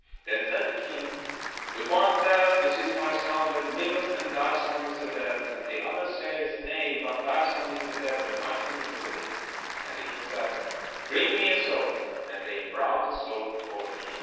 Then said the king: "The one saith, This is my son that Uveth, and thy son is the dead : and the other saith, Nay; but thy son is the dead, and my son is the living." And the king said, "Bring me a sword." And they brought a sword before the king.